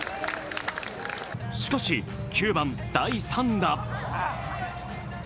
しかし９番、第３打。